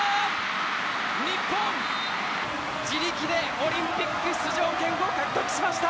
日本、自力でオリンピック出場権を獲得しました。